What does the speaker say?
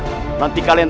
untuk mengantarkan nyawanya